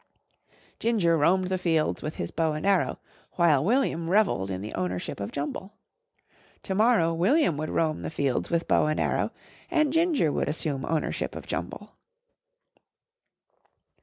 Ginger roamed the fields with his bow and arrow while William revelled in the ownership of Jumble. To morrow William would roam the fields with bow and arrow and Ginger would assume ownership of Jumble.